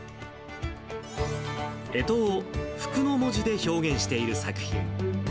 干支を福の文字で表現している作品。